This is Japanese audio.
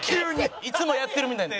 いつもやってるみたいに。